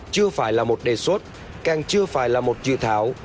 chưa phải là một đề xuất càng chưa phải là một dự thảo